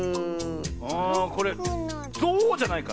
あこれゾウじゃないかな？